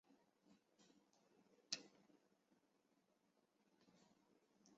花期以夏季最盛。